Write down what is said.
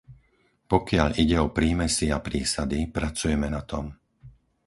Pokiaľ ide o prímesi a prísady, pracujeme na tom.